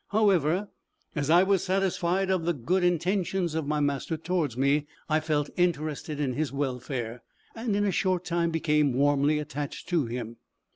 However, as I was satisfied of the good intentions of my master towards me, I felt interested in his welfare, and in a short time became warmly attached to him.